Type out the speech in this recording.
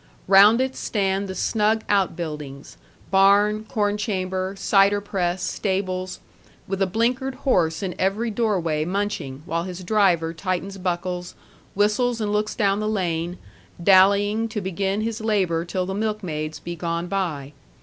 Round it stand the snug out buildings, barn, corn chamber, cider press, stables, with a blinker'd horse in every doorway munching, while his driver tightens buckles, whistles and looks down the lane, dallying to begin his labour till the milkmaids be gone by.